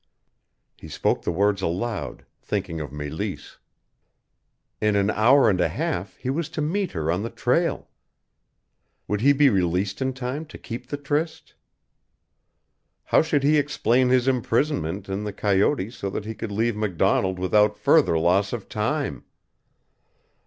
He spoke the words aloud, thinking of Meleese. In an hour and a half he was to meet her on the trail. Would he be released in time to keep the tryst? How should he explain his imprisonment in the coyote so that he could leave MacDonald without further loss of time?